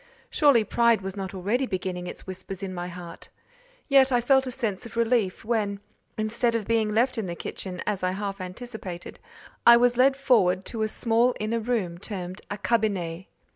Surely pride was not already beginning its whispers in my heart; yet I felt a sense of relief when, instead of being left in the kitchen, as I half anticipated, I was led forward to a small inner room termed a "cabinet."